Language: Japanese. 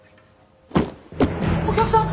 お客さん！？